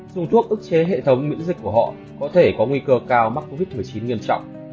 dùng thuốc chế hệ thống miễn dịch của họ có thể có nguy cơ cao mắc covid một mươi chín nghiêm trọng